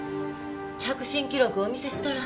着信記録お見せしたら？